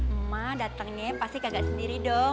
emak datengnya pasti kagak sendiri dong